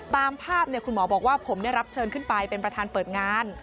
ตามภาพคุณหมอบอกว่าผมได้รับเชิญขึ้นไปเป็นประธานเปิดงาน